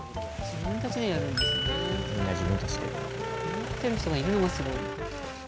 持ってる人がいるのがすごい。